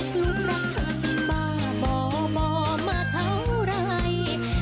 ตกลงรักเธอจะมาบ่อบ่อมาเท่าไหร่